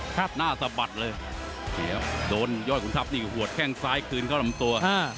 หน้าสะบัดเลยเสียโดนยอดขุนทัพนี่หัวแข้งซ้ายคืนเข้าลำตัวอ่า